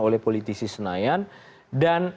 oleh politisi senayan dan